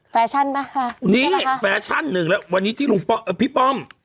แฟชั่นป่ะค่ะนี่ค่ะนะคะนี่แฟชั่นหนึ่งแล้ววันนี้ที่พี่ป้อม